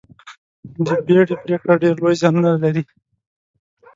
د بیړې پرېکړه ډېر لوی زیانونه لري.